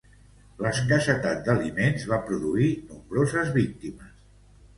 L'escassetat d'aliments va produir nombroses víctimes.